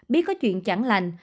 biết có chuyện chẳng lành